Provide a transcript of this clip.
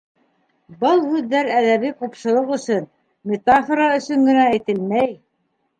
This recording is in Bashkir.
Был һүҙҙәр әҙәби ҡупшылыҡ өсөн, метафора өсөн генә әйтелмәй.